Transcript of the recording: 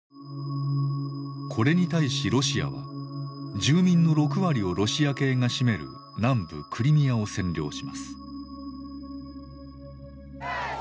これに対しロシアは住民の６割をロシア系が占める南部クリミアを占領します。